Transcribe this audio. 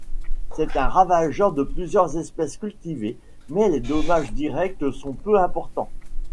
C'est un ravageur de plusieurs espèces cultivées, mais les dommages directs sont peu importants.